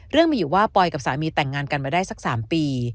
เรื่องมีอยู่ว่าปอยกับสามีแต่งงานกันมาได้สัก๓ปี